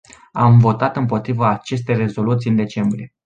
Am votat împotriva acestei rezoluții în decembrie.